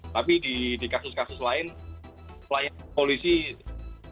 tapi di kasus kasus lain pelayanan kepolisi pasti sangat dirasa kurang